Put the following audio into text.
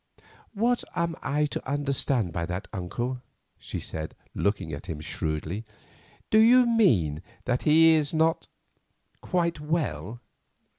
"What am I to understand by that, uncle?" she said, looking at him shrewdly. "Do you mean that he is—not quite well?"